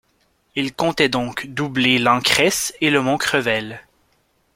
Il comptait donc doubler l’Ancresse et le mont Crevel.